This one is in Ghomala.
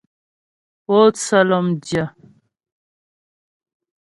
Pótsə́ lɔ́mdyə́.